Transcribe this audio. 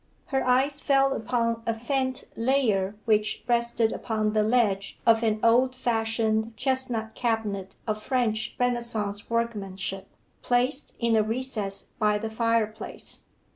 Her eye fell upon a faint layer which rested upon the ledge of an old fashioned chestnut cabinet of French Renaissance workmanship, placed in a recess by the fireplace.